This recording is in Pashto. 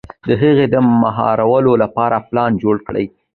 د هغې د مهارولو لپاره پلان جوړ کړي.